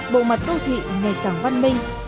bộ mặt đô thị ngày càng văn minh